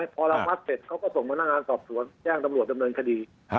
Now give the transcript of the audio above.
พอเรามัดเสร็จเขาก็ส่งพนักงานสอบสวนแจ้งตำรวจดำเนินคดี